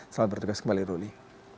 salam bertugas kembali ruli